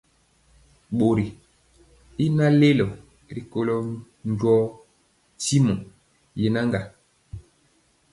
Bori y naŋ lelo rikolo njɔɔ tyimɔ yenaga.